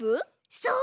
そう！